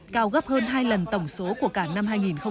cao gấp hơn hai lần tổng số của cả năm hai nghìn hai mươi hai